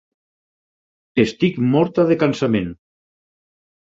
Estic morta de cansament.